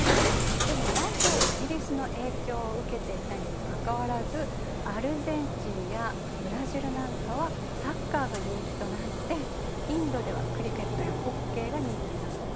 でもなぜイギリスの影響を受けていたにもかかわらずアルゼンチンやブラジルなんかはサッカーが人気となってインドではクリケットやホッケーが人気になったと思う？